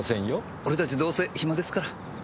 俺たちどうせ暇ですから。